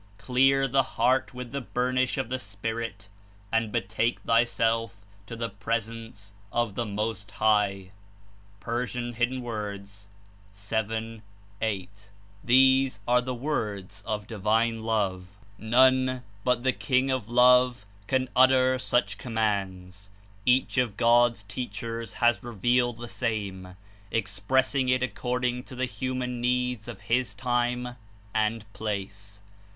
Clear the heart uith the burnish of the Spirit and betake thyself to the Presence of the Most High.'' (P. 7.8.) These are the words of Divine Love. None but the King of Love can utter such commands. Each of God's teachers has revealed the same, expressing it according to the human needs of his time and place.